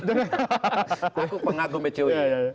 aku pengagum icw